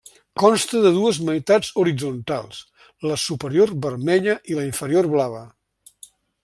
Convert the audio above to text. Consta de dues meitats horitzontals: la superior vermella i la inferior blava.